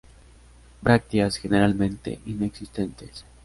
Brácteas generalmente inexistentes.